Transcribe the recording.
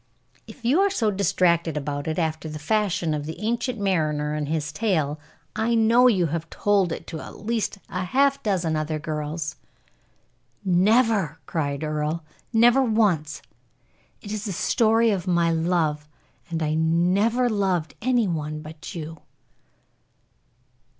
"If you are so distracted about it, after the fashion of the Ancient Mariner and his tale, I know you have told it to at least half a dozen other girls." "Never!" cried Earle; "never once! It is the story of my love, and I never loved any one but you."